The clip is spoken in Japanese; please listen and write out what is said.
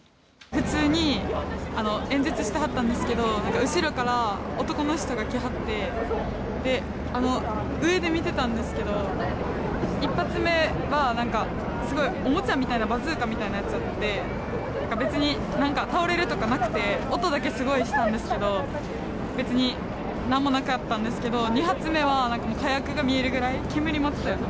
普通に演説してはったんですけど後ろから男の人が来はって上で見てたんですけど１発目はすごいおもちゃみたいなバズーカみたいなやつで別に、何か倒れるとかなくて音だけすごいしたんですけど別に、何もなかったんですけど２発目は火薬が見えるぐらい煙もあったよね。